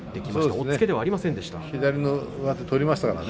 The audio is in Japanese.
押っつけではありませんでしたね。